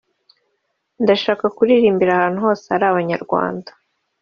ndashaka kuririmbira ahantu hose hari Abanyarwanda